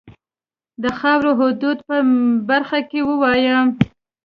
د خاوري حدودو په برخه کې ووایم.